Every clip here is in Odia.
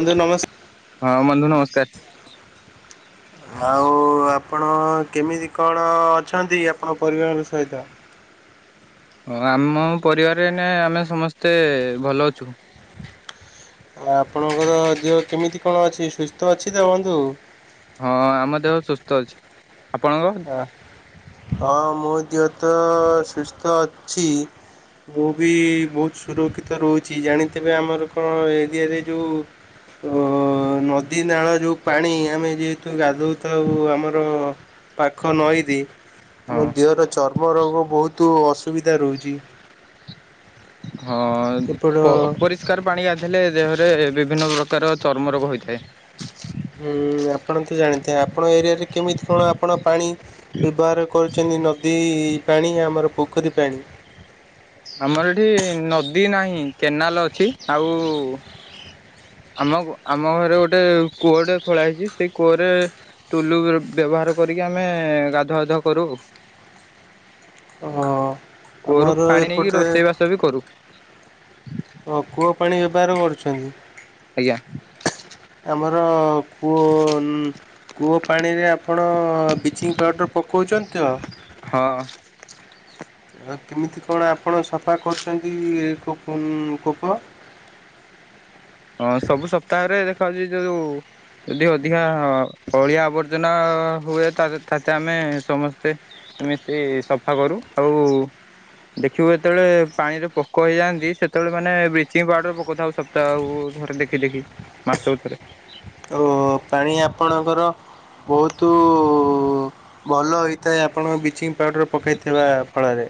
ବନ୍ଧୁ ନମସ୍କାର ହଁ, ବନ୍ଧୁ ନମସ୍କାର। ହଁ। ଆଉ ଆପଣ କେମିତି କ'ଣ ଅଛନ୍ତି, ଆପଣ ପରିବାର ସହିତ? ଆମ ପରିବାରରେ ନା ଆମେ ସମସ୍ତେ ଭଲ ଅଛୁ। ଓ ଆପଣଙ୍କର ଦେହ କେମିତି କଣ ଅଛି ସୁସ୍ଥ ଅଛି ତ ବନ୍ଧୁ? ହଁ ଆମ ଦେହ ସୁସ୍ଥ ଅଛି। ଆପଣଙ୍କ? ହଁ ମୁଁ ଦେହ ତ ସୁସ୍ଥ ଅଛି। ମୁଁ ବି ବହୁତ ସୁରକ୍ଷିତ ରହୁଛି, ଜାଣିଥିବେ ଆମର କଣ ଏରିଆରେ ଯୋଉ ଅ ନଦୀ, ନାଳ ଯୋଉ ପାଣି ଆମେ ଯେହେତୁ ଗାଧୋଉଥାଉ ଆମର ପାଖ ନଈରେ ହଁ ଆମ ଦେହର ଚର୍ମ ରୋଗ ବହୁତ ଅସୁ ବିଧା ରହୁଛି। ହଁ ଏପଟ ଅ ଅପରିଷ୍କାର ପାଣି ଗାଧେଇଲେ ଦେହ ରେ ବିଭିନ୍ନ ପ୍ରକାର ଚର୍ମ ରୋଗ ହୋଇଥାଏ। ହୁଁ ଆପଣ ତ ଜାଣିଥିବେ ଆପଣ ଏରିଆରେ କେମିତି କ'ଣ ଆପଣ ପାଣି? ବ୍ୟବହାର କରୁଛନ୍ତି ନଦୀ ପାଣି ଆମର ପୋଖରୀ ପାଣି। ଆମର ଏଠି ନଦୀ ନାହିଁ, କେନାଲ ଅଛି ଆଉ ଆମ ଆମ ଘରେ ଗୋଟେ କୂଅଟେ ଖୋଳା ହେଇଛି ସେଇ କୂଅରେ ଟୁଲୁ ଦେଇ ବ୍ୟବହାର କରିକି ଆମେ ଗାଧୁଆ ଧୁଆ କରୁ। ହଁ କୂଅରୁ ଆମର ପାଣି ନେଇକି ଏପଟେ ରୋଷେଇ ବାସ ବି କରୁ ଓ କୂଅ ପାଣି ବ୍ୟବହାର କରୁଛନ୍ତି। ଆଜ୍ଞା। ଆମର କୂଅ କୂଅ ପାଣିରେ ଆପଣ ବ୍ଲିଚିଂ ପାଉଡ଼ର ପକଉଚନ୍ତି ତ? ହଁ। ଆଉ କେମିତି କଣ ଆପଣ ସଫା କରୁଛନ୍ତି କୂ-କୂପ? ହଁ ସବୁ ସପ୍ତାହରେ ଦେଖାଯାଉଛି ଯୋଉ ଯଦି ଅଧିକା ଅଳିଆ ଆବର୍ଜନା ହୁଏ ତାରେ ତା ତା ଆମେ ସମସ୍ତେ ମିଶି ସଫା କରୁ ଆଉ ଦେଖିବୁ ଯେତବେଳେ ପାଣିରେ ପୋକ ହେଇଯାନ୍ତି ସେତବେଳେ ମାନେ ବ୍ଲିଚିଂ ପାଉଡର ପକଉଥାଉ ସପ୍ତାହକୁ। ଧରେ ଦେଖି ଦେଖି ମାସକୁ ଥରେ। ଓ ହୋ ପାଣି ଆପଣଙ୍କର ବହୁତୁ ଭଲ ହେଇଥାଏ ଆପଣଙ୍କ ବ୍ଲିଚିଂ ପାଉଡର। ପକେଇଥିବା ଫଳରେ।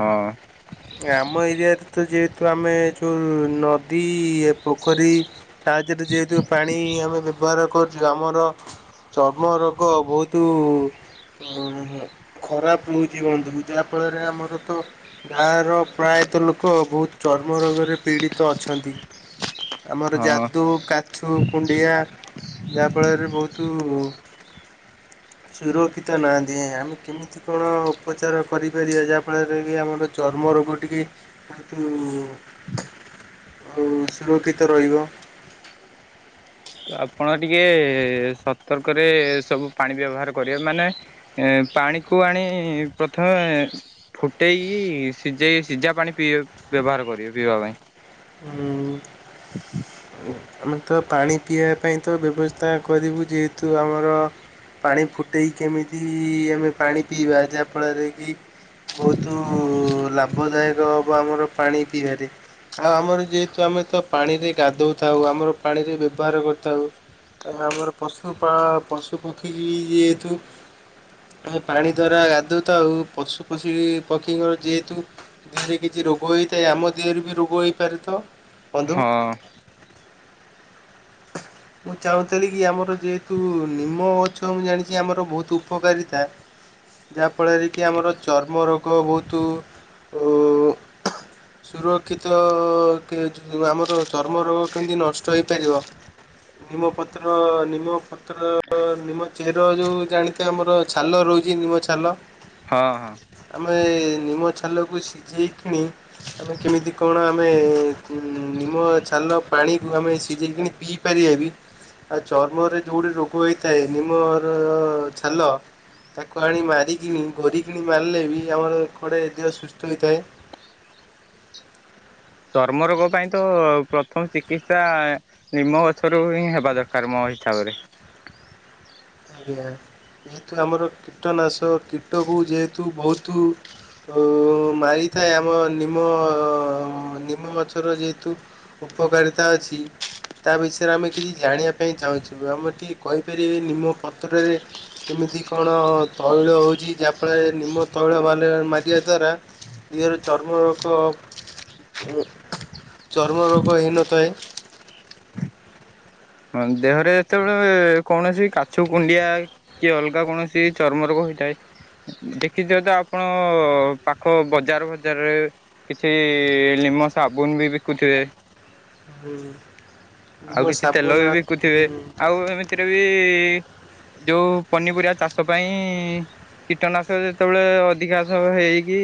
ହଁ ଆମ ଏରିଆରେ ତ ଯେହେତୁ ଆମେ ଯୋଉ ନଦୀ, ପୋଖରୀ ତା ଧିଅରେ ଯେହେତୁ ପାଣି ଆମେ ବ୍ୟବହାର କରୁ ଆମର ଚର୍ମ ରୋଗ ବହୁତୁ ଖରାପ ରହୁଛି ବନ୍ଧୁ ଯାହା ଫଳରେ ଆମର ତ ଗାଁର ପ୍ରାୟତଃ ଲୋକ ବହୁତ ଚର୍ମ ରୋଗରେ ପୀଡ଼ିତ ଅଛନ୍ତି। ଆମର ହଁ ତ ଯାଦୁ, କାଛୁ, କୁଣ୍ଡିଆ ଯାହାଫଳରେ ବହୁତୁ ସୁରକ୍ଷିତ ନାହାନ୍ତି ଆମେ କେମିତି କଣ ଉପଚାର କରିପାରିବା ଯାହା ଫଳରେ କି ଆମର ଚର୍ମ ରୋଗ ଟିକେ ବହୁତୁ ଆଉ ସୁରକ୍ଷିତ ରହିବ। ଆପଣ ଟିକେ ସତର୍କରେ ସବୁ ପାଣି ବ୍ୟବହାର କରିବେ ଏ ମାନେ ପାଣି ପାଣିକୁ ଆଣି ପ୍ରଥମେ ଫୁଟେଇକି ସିଜେଇ ସିଜା ପାଣି ପିଇ ବ୍ୟବହା ବାହାର କରିବେ ପିଇବା ପାଇଁ। ହୁଁ। ଆମେ ତ ପାଣି ପିଇବା ପାଇଁ ତ ବ୍ୟବସ୍ଥା କରିବୁ ଯେହେତୁ ଆମର ପାଣି ଫୁଟେଇକି କେମିତି ଆମେ ପାଣି ପିଇବା ଯାହାଫଳରେ କି ବହୁତୁ ଲାଭଦାୟକ ହବ ଆମର ପାଣି ପିଇବାରେ। ଆଉ ଆମର ଯେହେତୁ ଆମେ ତ ପାଣିରେ ଗାଧୋଉଥାଉ ଆମର ପାଣିରେ ବ୍ୟବହାର କରିଥାଉ। ଆଉ ଆମର ପଶୁ ପା ପଶୁ ପକ୍ଷୀ ଯେହେତୁ ଆ ପାଣି ଦ୍ଵାରା ଗାଧୋଉଥାଉ ପଶୁ ପସିକି ପକ୍ଷୀଙ୍କର ଯେହେତୁ ଦେହରେ କିଛି ରୋଗ ହେଇଥାଏ ଆମ ଦେହରେ ବି ରୋଗ ହେଇପାରେ ତ? ବନ୍ଧୁ ହଁ। ମୁଁ ଚାହୁଁଥିଲି କି ଆମର ଯେହେତୁ ନିମ ଗଛ ମୁଁ ଜାଣିଚି ଆମର ବହୁତୁ ଉପକାରିତା। ଯାହାଫଳରେ କି ଆମର ଚର୍ମ ରୋଗ ବହୁତୁ ଉ ସୁରକ୍ଷିତ କେ ଆମର ଚର୍ମ ରୋଗ କେମିତି ନଷ୍ଟ ହେଇପାରିବ। ନିମ ପତ୍ର ନିମ ପତ୍ର ନିମ ଚେର ଯଉ ଜାଣିଥିବ ଆମର ଛାଲ ରହୁଚି ନିମ ଛାଲ। ହଁ ହଁ। ଏ ନିମ ଛାଲକୁ ସିଜେଇ କିଣି ଆମେ କେମିତି କଣ ଆମେ ଉ ନିମ ଛାଲ ପାଣି କୁ ଆମେ ସିଜେଇକିଣି ପିଇ ପାରିବା ବି ଆଉ ଚର୍ମରେ ଯୋଉ ଟି ରୋଗ ହେଇଥାଏ ନିମର ଛାଲ ତାକୁ ଆଣି ମାରିକିଣି ଘୋରିକିଣି ମାରିଲେ ବି ଆମର କୁଆଡେ ଦେହ ସୁସ୍ଥ ହୋଇଥାଏ। ଚର୍ମ ରୋଗ ପାଇଁ ତ ପ୍ରଥମ ଚିକିତ୍ସା ନିମ ଗଛରୁ ହିଁ ହେବା ଦରକାର ମୋ ହିସାବରେ। ଆଜ୍ଞା ଯେହେତୁ ଆମର କୀଟନାଶ କୀଟକୁ ଯେହେତୁ ବହୁତୁ ଓ ମାରିଥାଏ ଆମ ନିମ ନିମ ଗଛର ଯେହେତୁ ଉପକାରିତା ଅଛି। ତା ବିଷୟରେ ଆମେ କିଛି ଜାଣିବା ପାଇଁ ଚାହୁଁଛୁ ଆମେ ଟିକେ କହିପାରିବେ ନିମ ପତ୍ରରେ କେମିତି କଣ ତୈଳ ହଉଛି ଯାହାଫଳରେ ନିମ ତୈଳ ମାରିବା ଦ୍ଵାରା ଦହରେ ଚର୍ମ ରୋଗ ଚର୍ମରୋଗ ହୋଇନଥାଏ। ହଁ ଦେହରେ ଯେତେବେଳେ କୌଣସି କାଛୁ କୁଣ୍ଡିଆ କି ଅଲଗା କୌଣସି ଚର୍ମ ରୋଗ ହେଇଥାଏ। ଦେଖିଛ ତ ଆପଣ ପାଖ ବଜାର ଫଜାରରେ କିଛି ନିମ ସାବୁନୁ ବି ବିକୁଥିବେ। ହଁ ମୋ ସାବୁ ଫୁଲ ବି ବିକୁଥିବେ ଆଉ ଏମିତିରେ ବି ଯୋଉ ପନିପରିବା ଚାଷ ପାଇଁ କୀଟନାଶକ ଯେତେବେଳେ ଅଧିକାଂଶ ହେଇକି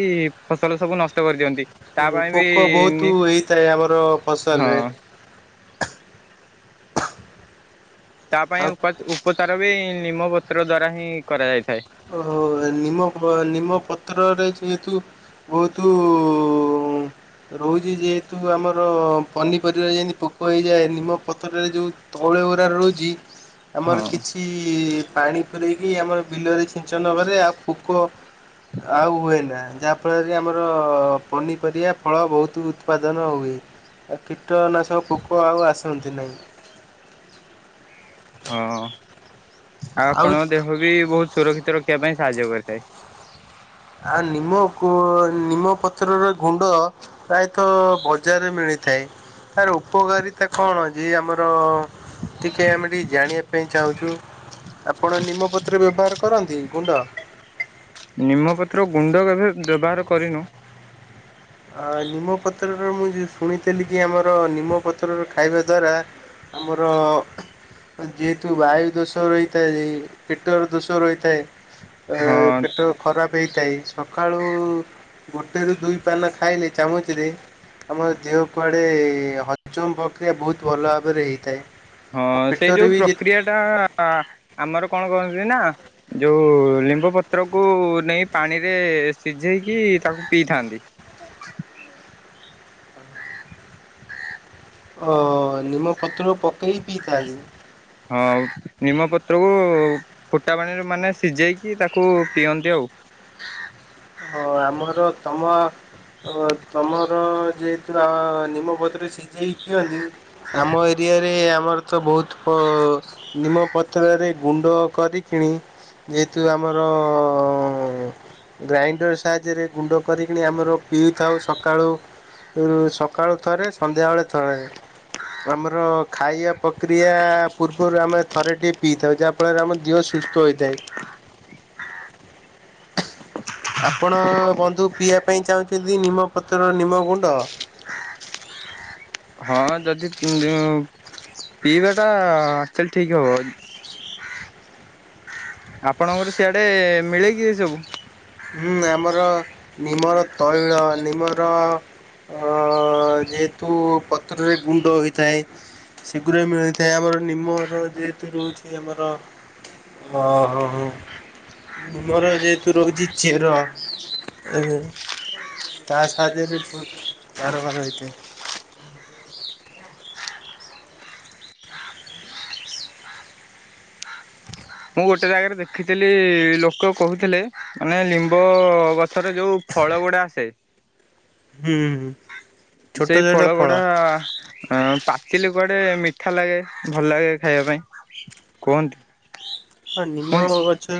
ଫସଲ ସବୁ ନଷ୍ଟ କରିଦିଅନ୍ତି। ତା ହୁଁ ପାଇଁ ପୋକ ବହୁତୁ ବି ହେଇଥାଏ ଆମର ଫସଲ୍ ରେ। ହଁ ତା ଆଉ ପାଇଁ ଉଚା ଉପଚାର ବି ନିମପତ୍ର ଦ୍ଵାରା ହିଁ କରାଯାଇଥାଏ। ଓହୋ ନିମ ନିମପତ୍ରରେ ଯେହେତୁ ବହୁତୁ ରହୁଛି ଯେହେତୁ ଆମର ପନିପରିବା ଯେମିତି ପୋକ ହେଇଯାଏ ନିମ ପତ୍ରରରେ ଯୋଉ ତୈଳ ଗୁରା ରହୁଛି ଆମର ହଁ କିଛି ପାଣି ପୂରେଇକି ଆମର ବିଲରେ ଛିଞ୍ଚନକରେ ଆଉ ପୋକ ଆଉ ହୁଏନା ଯାହାଫଳରେ ଆମର ପନିପରିବା ଫଳ ବହୁତ ଉତ୍ପାଦନ ହୁଏ। ଆଉ କୀଟନାଶକ ପୋକ ଆଉ ଆସନ୍ତି ନାହିଁ। ହଁ ଆଉ ଆଉ ଆପଣଙ୍କ ଦେହ ବି ବହୁତ ସୁରକ୍ଷିତ ରଖିବା ପାଇଁ ସାହାଯ୍ୟ କରିଥାଏ। ଆଉ ନିମ ନିମପତ୍ରର ଗୁଣ୍ଡ ପ୍ରାୟତଃ ବଜାରରେ ମିଳି ଥାଏ ତାର ଉପକାରିତା କଣ ଯେ ଆମର ଟିକେ ଆମେ ଟିକେ ଜାଣିବା ସେଥି ପାଇଁ ଚାହୁଁଛୁ ଆପଣ ନିମପତ୍ରରେ ବ୍ୟବହାର କରନ୍ତି ଗୁଣ୍ଡ? ନିମପତ୍ର ଗୁଣ୍ଡ କେବେ ବ୍ୟବହାର କରିନୋଉଁ। ଆ ନିମପତ୍ରର ମୁଁ ଯେ ଶୁଣିଥିଲି କି ଆମର ନିମପତ୍ରରର ଖାଇବା ଦ୍ଵାରା ଆମର ଯେହେତୁ ବାୟୁ ଦୋଷ ରହିଥାଏ ପେଟର ଦୋଷ ରହିଥାଏ ଅ ହଁ ପେଟ ଖରାପେ ହେଇଥାଏ ସକାଳୁ ଗୋଟେ ରୁ ଦୁଇ ପାନେ ଖାଇଲି ଚାମୁଚରେ ଆମ ଦେହ କୁଆଡେ ହଜମ ପ୍ରକ୍ରିୟା ବହୁତ ଭଲ ଭାବରେ ହେଇଥାଏ। ହଁ ଆଉ ସେଇ ପେଟରେ ଯୋଉ ବି ଯେ ପ୍ରକ୍ରିୟା ଟା ଆମର କଣ କହନ୍ତି ନା ଯୋଉ ଲିମ୍ବ ପତ୍ରକୁ ନେଇ ପାଣିରେ ସିଝେଇକି ତାକୁ ପିଇଥାନ୍ତି। ଓ ନିମ ପତ୍ରକୁ ପକେଇ ପିଇଥାନ୍ତି। ହଁ ନିମପତ୍ରକୁ ଫୁଟା ପାଣିରେ ମାନେ ସିଝେଇକି ତାକୁ ପିଅନ୍ତି ଆଉ। ହଁ ଆମର ତମ ତମର ଯେ ନିମପତ୍ର ସିଝେଇକି ପିଅନ୍ତି ଆମ ଏରିଆରେ ଆମର ତ ବହୁତ ନିମ ପତ୍ରରେ ଗୁଣ୍ଡ କରି କିଣି ଯେହେତୁ ଆମର ଗ୍ରାଇଣ୍ଡର ସାହାଯ୍ୟରେ ଗୁଣ୍ଡ କରିକି ଆମର ପିଉଥାଉ ସକାଳୁ। ସକାଳୁ ଥରେ ସନ୍ଧ୍ୟାବେଳେ ଥରେ ଆମର ଖାଇବା ପ୍ରକ୍ରିୟା ପୂର୍ବରୁ ଆମେ ଥରେ ଟି ପିଇଥାଉ ଯାହାଫଳରେ ଆମ ଦେହ ସୁସ୍ଥ ହୋଇଥାଏ। ଆପଣ ବନ୍ଧୁ ପିଇବା ପାଇଁ ଚାହୁଁଛନ୍ତି ନିମ ପତ୍ର ନିମ ଗୁଣ୍ଡ? ହଁ ଯଦି ପି ପିଇବାଟା ଆକ୍ଚଲି ଠିକ ହବ। ଆପଣଙ୍କର ସିଆଡେ ମିଳେ କିି ଏସବୁ? ହୁଁ ଆମର ନିମର ତୈଳ ନିମର ଅ ଯେହେତୁ ପତ୍ରରେ ଗୁଣ୍ଡ ହୋଇଥାଏ ଶେଗୁରା ବି ମିଳିଥାଏ ଆମର ନିମର ଯେହେତୁ ରହୁଛି ଆମର ଓହୋ ହୋ ଆମର ଯେହେତୁ ରହୁଛି ଚେର ଏହେଁ ତା ସାହାଯ୍ୟରେ କ କାରବାର ହେଇଥାଏ। ମୁଁ ଗୋଟେ ଜାଗାରେ ଦେଖିଥିଲି ଲୋକ କହୁଥିଲେ ମାନେ ଲିମ୍ବ ଗ ଛରେ ଯୋଉ ଫଳ ଗୁଡା ଆସେ ହୁଁ। ଛୋଟ ସେଇ ଛୋଟ ଫଳ ଗୁଡା ହଁ ପାଚିଲେ କୁଆଡେ ମିଠା ଲାଗେ ଭଲ ଲାଗେ ଖାଇବା ପାଇଁ କୁହନ୍ତି। ହଁ ନିମ ମୁଁ ଗଛ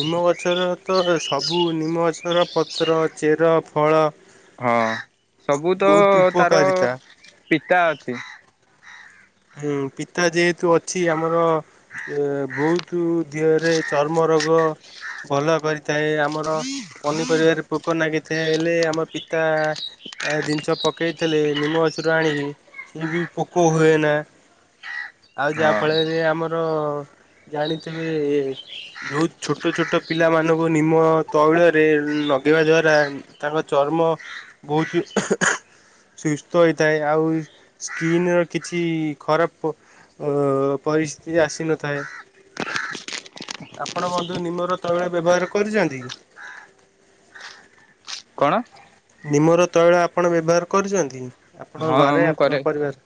ନିମ ଗଛର ତ ସବୁ ନିମ ଗଛ ର ପତ୍ର, ଚେର, ଫଳ ହଁ ସବୁ ତ ବହୁତ ତାର ଉପକାରିତା ପିତା ଅଛି। ହୁଁ ପିତା ଯେହେତୁ ଅଛି ଆମର ବହୁତ୍ ତୁ ଦେହରେ ଚର୍ମ ରୋଗ ଭଲ କରି ଥାଏ ଆମର ପନିପରିବାରେ ପୋକ ନାଗିଥାଏ ହେଲେ ଆମେ ପିତା ଆ ଜିନିଷ ପକେଇଥିଲେ ନିମ ଗଛୁରୁ ଆଣିକି ସେଇ ବି ପୋକ ହୁଏନା। ଆଉ ଯାହା ହଁ ଫଳରେ ଆମର ଜାଣିଥିବେ ଯୋଉ ଛୋଟ ଛୋଟ ପିଲା ମାନଙ୍କୁ ନିମ ତୈଳରେ ଲଗେଇବା ଦ୍ଵାରା ତାଙ୍କ ଚ ର୍ମ ବହୁତୁ ସୁସ୍ଥ ହେଇଥାଏ ଆଉ ସ୍କିିନ ର କିଛି ଖରାପ ଅ ପରିସ୍ଥିତି ଆସିନଥାଏ। ଆପଣ ବନ୍ଧୁ ନିମର ତୈଳ ବ୍ୟବହାର କରୁଛନ୍ତି? କଣ? ନିମର ତୈଳ ଆପଣ ବ୍ୟବହାର କରୁଛନ୍ତି ଆପଣଙ୍କ ହଁ ଘରେ ମୁଁ କରେ ଆପଣଙ୍କ ପରିବାର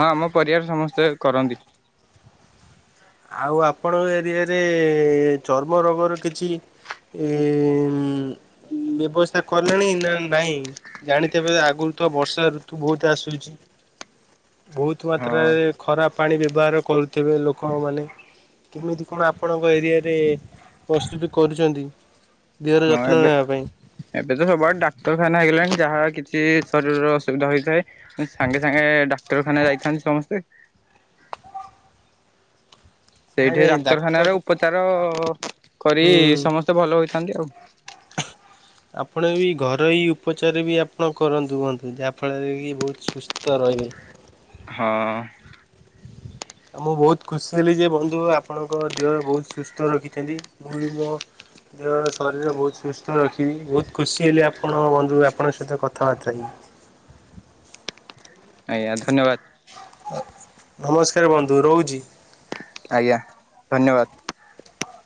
ହଁ ଆମ ପରିବାର ସମସ୍ତେ କରନ୍ତି। ଆଉ ଆପଣଙ୍କ ଏରିଆରେ ଚର୍ମ ରୋଗର କିଛି ଏ ବ୍ୟବସ୍ଥା କଲେଣି ନା ନାଇଁ ଜାଣିଥିବ ଆଗରୁ ତ ବର୍ଷା ଋତୁ ବହୁତ ଆସୁଛି। ବହୁତ ହଁ ମାତ୍ରାରେ ଖରାପ ପାଣି ବ୍ୟବହାର କରୁଥିବେ ଲୋକ କ ମାନ କେମିତି କଣ ଆପଣଙ୍କ ଏରିଆ ରେ ପ୍ରସ୍ତୁତି କରୁଛନ୍ତି? ଦେହର ହଁ ଯତ୍ନ ଏବେ ନେବା ପାଇଁ? ଏବେ ତ ସବୁଆଡେ ଡାକ୍ତରଖାନା ହେଇଗଲାଣି ଯାହାବା କିଛି କି ଶରୀରର ଅସୁବିଧା ହୋଇଥାଏ ସାଙ୍ଗେ ସାଙ୍ଗେ ଡାକ୍ତରଖାନା ଯାଇଥାନ୍ତି ସମସ୍ତେ। ନାଇଁ ସେଇଠି ନାଇଁ ଡାକ୍ତର ଡାକ୍ତରଖାନାର ଉପଚାର କରି ହୁଁ ସମସ୍ତେ ଭଲ ହୋଇ ଥାନ୍ତି ଆଉ। ଆପଣ ବି ଘରୋଇ ଉପଚାର ବି ଆପଣ କରନ୍ତୁ ବନ୍ଧୁ ଯାହାଫଳରେ କି ବହୁତ ସୁସ୍ଥ ରହିବେ। ହଁ। ଆଉ ମୁଁ ବହୁତ ଖୁସି ହେଲି ଯେ ବନ୍ଧୁ ଆପଣଙ୍କ ଦେହ ବହୁତ ସୁସ୍ଥ ରଖିଛନ୍ତି ମୁଁ ବି ମୋ ଦେହ ଶରୀର ବହୁତ ସୁସ୍ଥ ରଖିବି। ବହୁତ ଖୁସି ହେଲି ଆପଣ ବନ୍ଧୁ ଆପଣଙ୍କ ସହିତ କଥାବାର୍ତା ହେଇକି। ଆଜ୍ଞା ଧନ୍ୟବାଦ। ନମସ୍କାର ବନ୍ଧୁ ରହୁଛି। ଆଜ୍ଞା ଧନ୍ୟବାଦ।